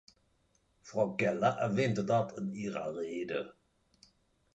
Frau Keller erwähnte dies in ihrer Rede.